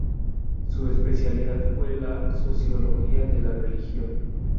Su especialidad fue la sociología de la religión.